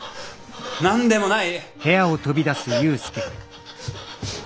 何でもない！